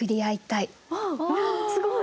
すごい！